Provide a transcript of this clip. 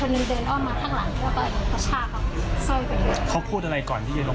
แล้วเพราะลูกค้าออกไปปุ๊บเขาเดินเข้ามาการส่ง